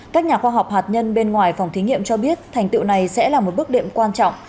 các nhà khoa học hạt nhân bên ngoài phòng thí nghiệm cho biết thành tựu này sẽ là một bước đệm quan trọng